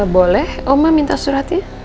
boleh oma minta suratnya